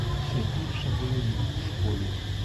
Ще гірше було їй у школі.